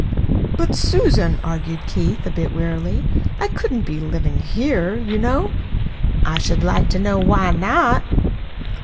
"But, Susan," argued Keith, a bit wearily, "I couldn't be living here, you know." "I should like to know why not."